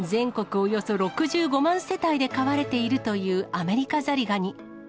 およそ６５万世帯で飼われているというアメリカザリガニ。